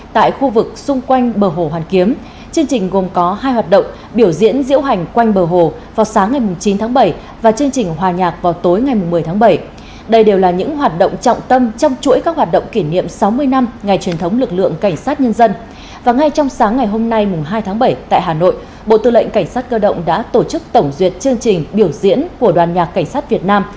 trong sáng ngày hôm nay hai tháng bảy tại hà nội bộ tư lệnh cảnh sát cơ động đã tổ chức tổng duyệt chương trình biểu diễn của đoàn nhạc cảnh sát việt nam